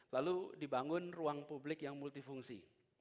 lalu dibangun ruang publik yang multifungsi